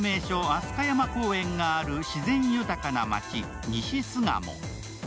飛鳥山公園がある自然豊かな街、西巣鴨。